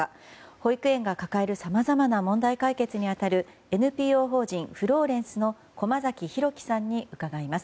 保育園が抱えるさまざまな問題解決に当たるＮＰＯ法人フローレンスの駒崎弘樹さんに伺います。